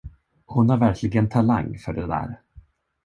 Hon har verkligen talang för det där.